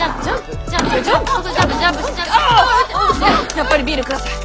やっぱりビール下さい。